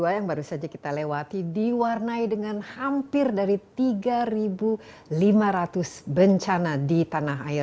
tahun dua ribu dua puluh dua yang baru saja kita lewati diwarnai dengan hampir dari tiga lima ratus bencana di tanah air